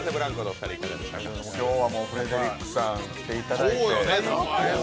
今日はもうフレデリックさん来ていただいて。